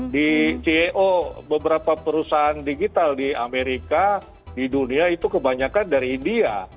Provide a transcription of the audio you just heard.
di ceo beberapa perusahaan digital di amerika di dunia itu kebanyakan dari india